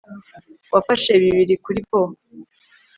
Wafashe bibiri kuri poo